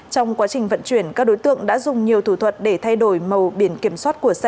trong quá trình vận chuyển các đối tượng đã dùng nhiều thủ thuật để thay đổi màu biển kiểm soát của xe